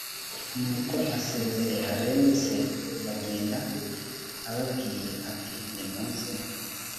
nuko asezerera bene se bagenda ababwiye ati nimuze